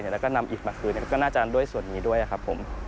แล้วก็นำอิทธิ์มาคืนก็น่าจะอันด้วยส่วนนี้ด้วยครับ